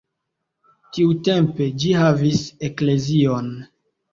Tiutempe ĝi havis eklezion.